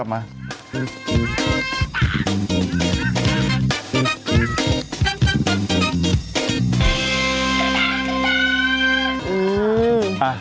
กลับมาก่อน